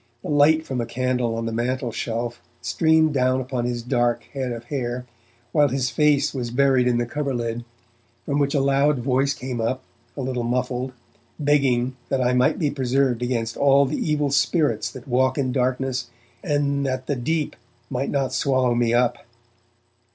The light from a candle on the mantel shelf streamed down upon his dark head of hair while his face was buried in the coverlid, from which a loud voice came up, a little muffled, begging that I might be preserved against all the evil spirits that walk in darkness and that the deep might not swallow me up.